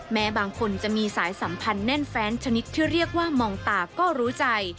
บางคนจะมีสายสัมพันธ์แน่นแฟนชนิดที่เรียกว่ามองตาก็รู้ใจ